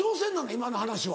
今の話は。